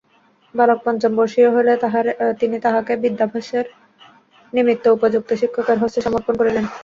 বালক পঞ্চমবর্ষীয় হইলে তিনি তাহাকে বিদ্যাভ্যাসের নিমিত্ত উপযুক্ত শিক্ষকের হস্তে সমর্পণ করিলেন।